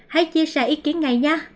hãy chia sẻ ý kiến ngay nhé